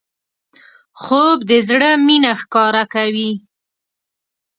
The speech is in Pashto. خوب د زړه مینه ښکاره کوي